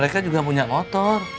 debbie juga punya motor